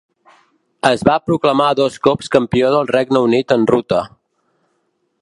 Es va proclamar dos cops campió del Regne Unit en ruta.